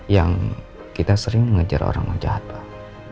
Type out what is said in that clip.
yang kita sering mengejar orang jahat pak